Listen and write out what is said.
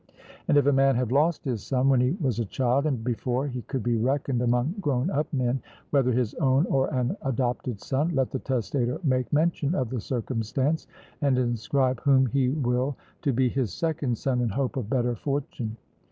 And if a man have lost his son, when he was a child, and before he could be reckoned among grown up men, whether his own or an adopted son, let the testator make mention of the circumstance and inscribe whom he will to be his second son in hope of better fortune.